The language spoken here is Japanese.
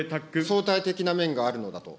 相対的な面があるのだと。